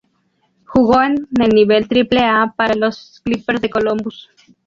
Jugó en el Nivel Triple-A para los Clippers de Columbus.